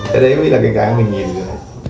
cái đấy mới là cái cảnh mình nhìn rồi